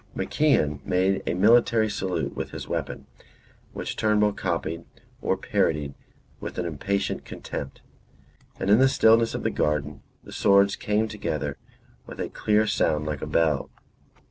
MacIan made a military salute with his weapon, which Turnbull copied or parodied with an impatient contempt; and in the stillness of the garden the swords came together with a clear sound like a bell.